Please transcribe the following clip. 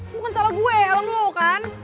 bukan salah gue helm lu kan